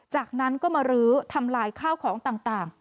จากนั้นก็มารื้อทำลายข้าวของต่าง